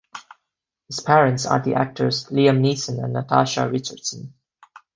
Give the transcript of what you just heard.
His parents are the actors Liam Neeson and Natasha Richardson.